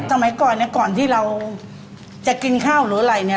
สมัยก่อนก่อนที่เราจะกินข้าวหรืออะไร